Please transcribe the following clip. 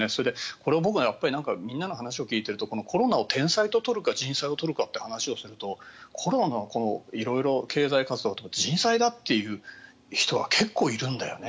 これを僕はみんなの話を聞いているとコロナを天災と取るか人災と取るかという話をするとコロナの色々、経済活動とか人災だという人が結構いるんだよね。